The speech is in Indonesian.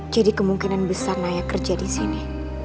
jadi kemungkinan besar naya kerja disini